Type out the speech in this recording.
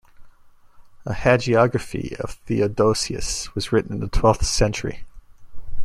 A hagiography of Theodosius was written in the twelfth century.